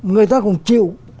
người ta cũng chịu